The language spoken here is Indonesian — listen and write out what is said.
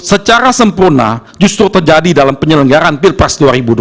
secara sempurna justru terjadi dalam penyelenggaran pilpres dua ribu dua puluh